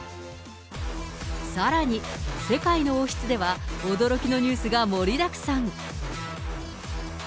さらに、世界の王室では驚きのニュースが盛りだくさん。